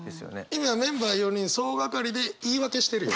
今メンバー４人総掛かりで言い訳してるよ。